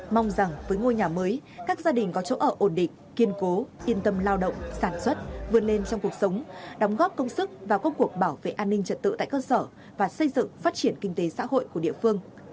mong rằng với ngôi nhà mới các gia đình có chỗ ở ổn định kiên cố yên tâm lao động sản xuất vươn lên trong cuộc sống đóng góp công sức vào công cuộc bảo vệ an ninh trật tự tại cơ sở và xây dựng phát triển kinh tế xã hội của địa phương